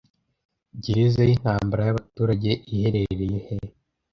Gereza yintambara yabaturage iherereye he